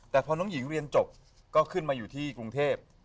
แต่พอน้องหญิงเรียนจบก็ขึ้นมาอยู่ที่กรุงเทพ